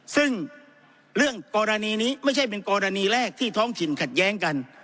ซึ่งเรื่องกรณีนี้ไม่ใช่เป็นกรณีแรกที่ท้องถิ่นขัดแย้งกัน